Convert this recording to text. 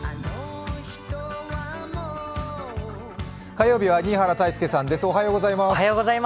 火曜日は新原泰佑さんです、おはようございます。